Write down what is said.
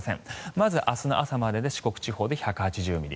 まず明日の朝までで四国地方で１８０ミリ